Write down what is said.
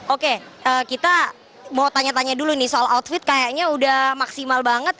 oke kita mau tanya tanya dulu nih soal outfit kayaknya udah maksimal banget